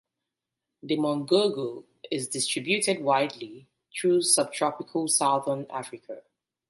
The mongongo is distributed widely through subtropical southern Africa.